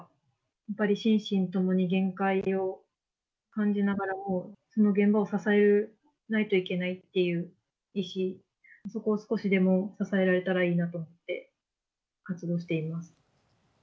やっぱり心身ともに限界を感じながらも、その現場を支えないといけないっていう意思、そこを少しでも支えられたらいいなと思って、活動しています。